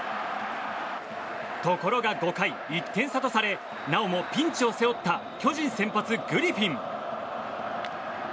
ところが５回、１点差とされなおもピンチを背負った巨人先発、グリフィン。